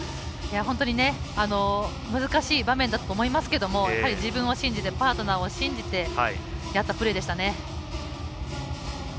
本当に難しい場面だったと思いますが自分を信じてパートナーを信じてやったプレーでしたね。